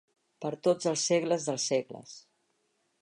Per tots els segles dels segles.